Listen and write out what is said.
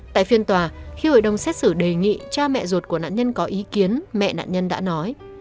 tại phiên tòa khi hội đồng xét xử đề nghị cha mẹ ruột của nạn nhân có ý kiến mẹ nạn nhân đã nói